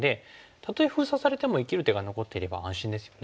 たとえ封鎖されても生きる手が残っていれば安心ですよね。